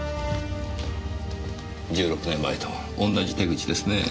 １６年前と同じ手口ですねぇ。